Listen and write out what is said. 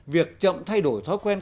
việc chậm thay đổi thói quen